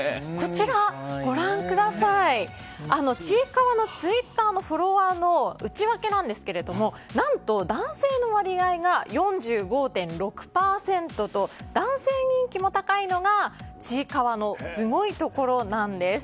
「ちいかわ」のツイッターのフォロワーの内訳なんですけど何と男性の割合が４５．６％と男性人気も高いのが「ちいかわ」のすごいところなんです。